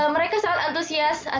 mereka sangat antusias